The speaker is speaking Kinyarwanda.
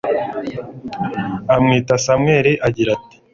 amwita samweli, agira ati